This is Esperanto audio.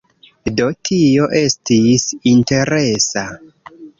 Do, tio estis interesa.